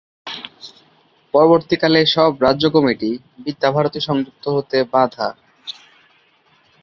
পরবর্তীকালে সব রাজ্য কমিটি, বিদ্যা ভারতী সংযুক্ত হতে বাঁধা।